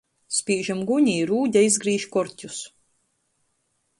Spīžam guni, i Rūde izgrīž korķus.